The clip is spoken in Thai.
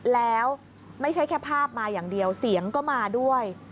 แล้วไม่ใช่แค่ภาพมาอย่างเดียวเสียงก็มาด้วย